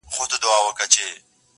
زه د یویشتم قرن غضب ته فکر نه کوم,